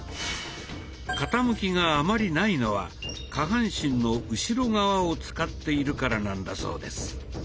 傾きがあまりないのは下半身の後ろ側を使っているからなんだそうです。